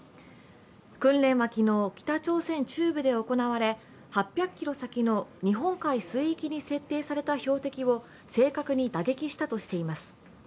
訓練は昨日、北朝鮮中部で行われ８００ｋｍ先の日本海水域に設定された標的を正確に打撃したとしています。